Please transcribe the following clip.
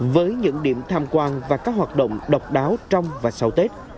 với những điểm tham quan và các hoạt động độc đáo trong và sau tết